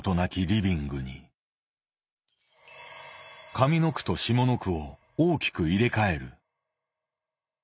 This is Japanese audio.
上の句と下の句を大きく入れ替える。